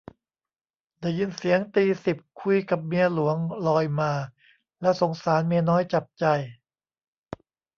ได้ยินเสียงตีสิบคุยกับเมียหลวงลอยมา แล้วสงสารเมียน้อยจับใจ